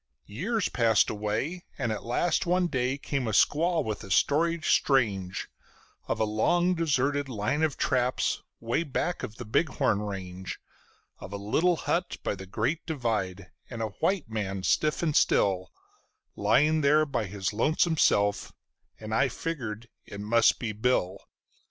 Years passed away, and at last one day came a squaw with a story strange, Of a long deserted line of traps 'way back of the Bighorn range; Of a little hut by the great divide, and a white man stiff and still, Lying there by his lonesome self, and I figured it must be Bill.